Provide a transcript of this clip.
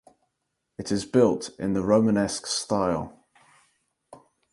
It is built in the Romanesque style.